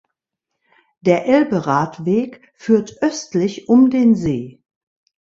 Der Elberadweg führt östlich um den See.